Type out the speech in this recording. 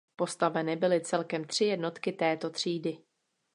Postaveny byly celkem tři jednotky této třídy.